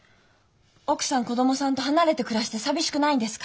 奥さん子供さんと離れて暮らして寂しくないんですか？